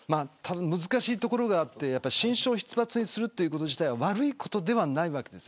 難しいところがあって信賞必罰にすること自体は悪いことではないわけです。